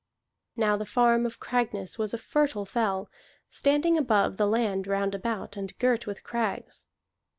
Now the farm of Cragness was a fertile fell, standing above the land round about, and girt with crags.